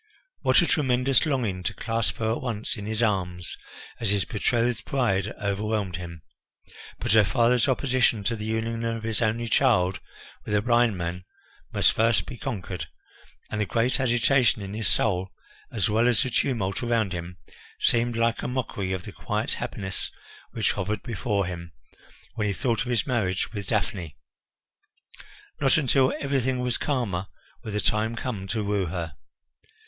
What a tremendous longing to clasp her at once in his arms as his betrothed bride overwhelmed him; but her father's opposition to the union of his only child with a blind man must first be conquered, and the great agitation in his soul, as well as the tumult around him, seemed like a mockery of the quiet happiness which hovered before him when he thought of his marriage with Daphne. Not until everything was calmer would the time come to woo her.